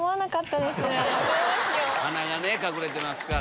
鼻がね隠れてますから。